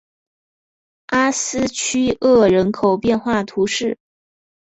阿斯屈厄人口变化图示